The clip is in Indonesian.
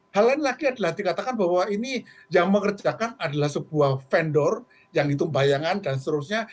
hal lain lagi adalah dikatakan bahwa ini yang mengerjakan adalah sebuah vendor yang hitung bayangan dan seterusnya